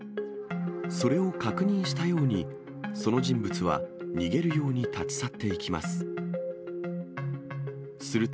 それを確認したように、その人物は逃げるように立ち去っていきます。